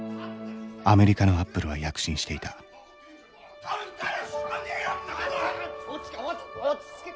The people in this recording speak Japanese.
アメリカのアップルは躍進していた分かるかよ！